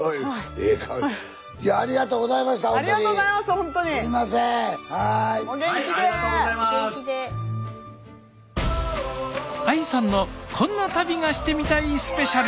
ＡＩさんの「こんな旅がしてみたいスペシャル」。